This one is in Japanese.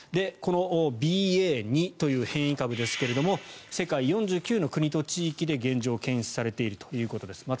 このＢＡ．２という変異株ですが世界４９の国と地域で現状検出されているということです。